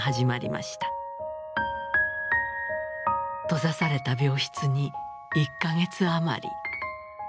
閉ざされた病室に１か月余り。